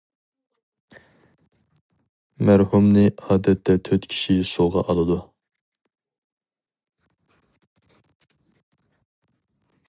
مەرھۇمنى ئادەتتە تۆت كىشى سۇغا ئالىدۇ.